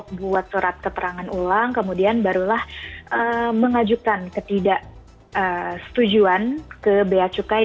dan saya menerima surat keterangan ulang kemudian barulah mengajukan ketidak setujuan ke beya cukainya